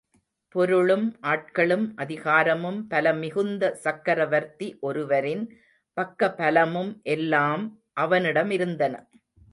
பொருளும், ஆட்களும், அதிகாரமும், பலமிகுந்த சக்கரவர்த்தி ஒருவரின் பக்க பலமும் எல்லாம் அவனிடம் இருந்தன.